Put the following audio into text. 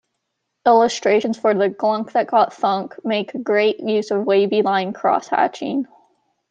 Illustrations for "The Glunk That Got Thunk" make great use of wavy line crosshatching.